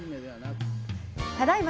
ただいま